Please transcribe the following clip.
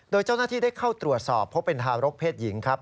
โดยเจ้าหน้าที่ได้เข้าตรวจสอบพบเป็นทารกเพศหญิงครับ